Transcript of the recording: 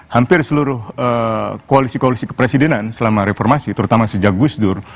hampir seluruh koalisi koalisi kepresidenan selama reformasi terutama sejak gus dur